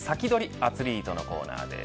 アツリートのコーナーです。